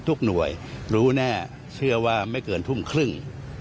ทุกหน่วยรู้แน่เชื่อว่าไม่เกินทุ่มครึ่ง